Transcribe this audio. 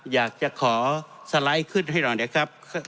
อยากจะขอสไลด์ขึ้นให้เรา